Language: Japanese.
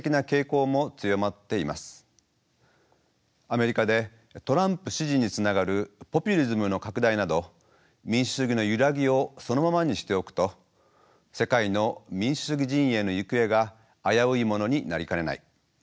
アメリカでトランプ支持につながるポピュリズムの拡大など民主主義の揺らぎをそのままにしておくと世界の民主主義陣営の行方が危ういものになりかねない。